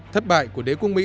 thất bại của đế quốc mỹ